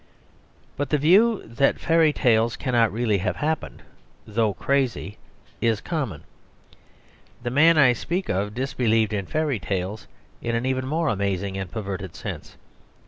But the view that fairy tales cannot really have happened, though crazy, is common. The man I speak of disbelieved in fairy tales in an even more amazing and perverted sense.